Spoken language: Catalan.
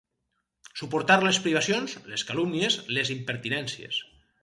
Suportar les privacions, les calúmnies, les impertinències.